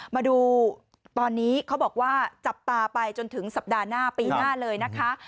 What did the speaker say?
มาดูตอนนี้เขาบอกว่าจับตาไปจนถึงสัปดาห์หน้าปีหน้าเลยนะคะ